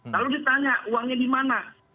lalu ditanya uangnya di mana